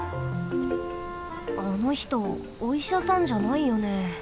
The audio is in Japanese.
あのひとおいしゃさんじゃないよね。